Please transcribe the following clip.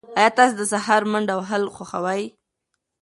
ایا تاسي د سهار منډه وهل خوښوئ؟